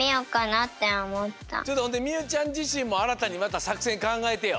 ちょっとほんでみゆちゃんじしんもあらたにまたさくせんかんがえてよ。